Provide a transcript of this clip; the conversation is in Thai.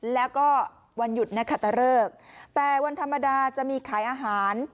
แล้วก็วันหยุดนะคะตะเลิกแต่วันธรรมดาจะมีขายอาหาร